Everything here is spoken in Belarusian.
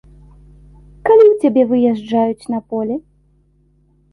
Калі ў цябе выязджаюць на поле?